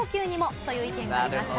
という意見がありました。